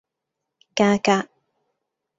價格